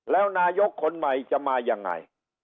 แล้วนายกคนใหม่จะมายังไง